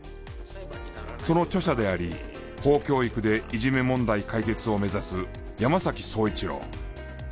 その著者であり法教育でいじめ問題解決を目指す山崎聡一郎。